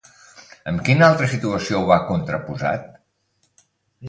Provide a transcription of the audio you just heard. Amb quina altra situació ho ha contraposat?